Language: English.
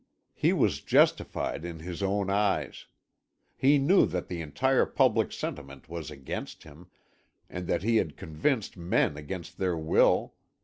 He was justified in his own eyes. He knew that the entire public sentiment was against him, and that he had convinced men against their will.